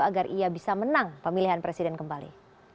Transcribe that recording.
agar ia bisa menang pemilihan presiden kembali